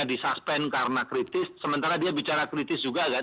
bung ferry hanya di suspend karena kritis sementara dia bicara kritis juga kan